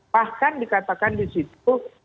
bahkan dikatakan di situ